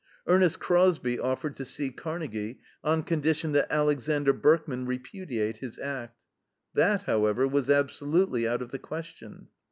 Ernest Crosby offered to see Carnegie, on condition that Alexander Berkman repudiate his act. That, however, was absolutely out of the question.